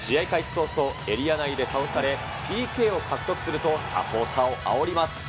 早々、エリア内で倒され、ＰＫを獲得すると、サポーターをあおります。